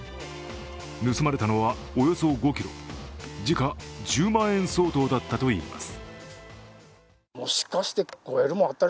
盗まれたのはおよそ５ｋｇ、時価１０万円相当だったといいます。